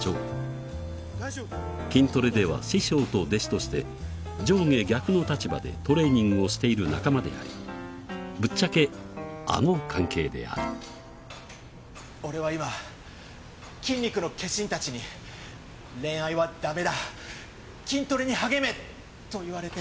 筋トレでは師匠と弟子として上下逆の立場でトレーニングをしている仲間でありぶっちゃけあの関係である俺は今筋肉の化身達に恋愛はダメだ筋トレに励めと言われて。